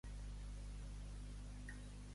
José Alemany Bori va ser un psicòleg nascut a Blanes.